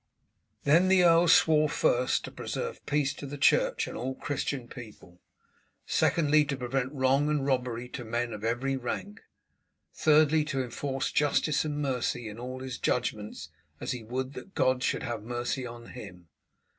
Then the earl swore first to preserve peace to the church and all Christian people; secondly, to prevent wrong and robbery to men of every rank; thirdly, to enforce justice and mercy in all his judgments as he would that God should have mercy on him.